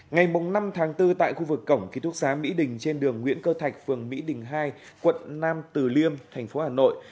ngày năm tháng bốn tại khu vực cổng ký thúc xá mỹ đình trên đường nguyễn cơ thạch phường mỹ đình hai quận nam từ liêm thành phố hà nội